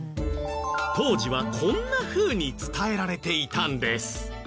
当時はこんな風に伝えられていたんです。